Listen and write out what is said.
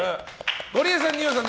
ゴリエさん、二葉さん